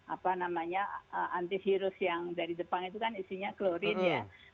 apa namanya antivirus yang dari depan itu kan isinya klorin ya